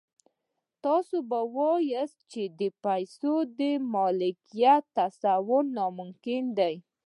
تاسې به واياست چې د پيسو د ملکيت تصور ناممکن دی.